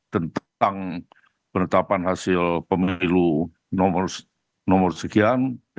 tentang penetapan hasil pemilu nomor sekian